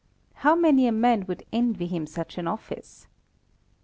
How many a man would envy him such an office!